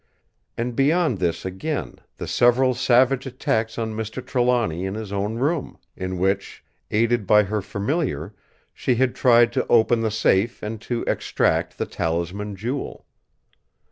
And beyond this again the several savage attacks on Mr. Trelawny in his own room, in which, aided by her Familiar, she had tried to open the safe and to extract the Talisman jewel.